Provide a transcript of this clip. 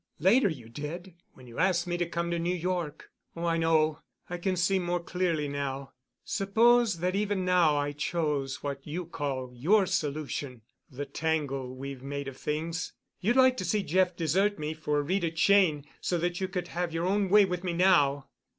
Later you did when you asked me to come to New York. Oh, I know. I can see more clearly now. Suppose that even now I chose what you call your solution of the tangle we've made of things. You'd like to see Jeff desert me for Rita Cheyne so that you could have your own way with me now."